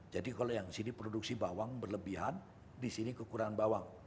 jadi kalau yang sini produksi bawang berlebihan di sini kekurangan bawang